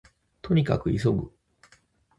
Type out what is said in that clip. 兎に角急ぐ